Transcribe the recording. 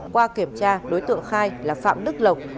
qua kiểm tra đối tượng khai là phạm đức lộc